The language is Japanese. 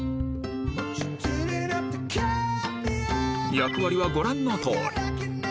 役割はご覧の通り